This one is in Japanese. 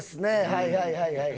はいはいはいはい。